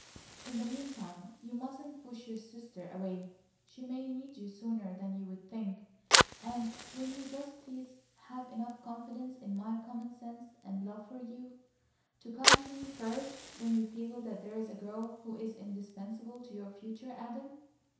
In the meantime, you mustn't push your sister away. She may need you sooner than you'd think; and will you just please have enough confidence in my common sense and love for you, to come to me, FIRST, when you feel that there's a girl who is indispensable to your future, Adam?"